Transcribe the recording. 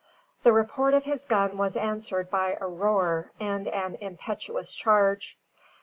The report of his gun was answered by a roar and an impetuous charge.